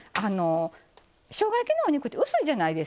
しょうが焼きのお肉って薄いじゃないですか。